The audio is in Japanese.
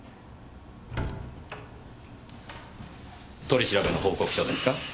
取り調べの報告書ですか？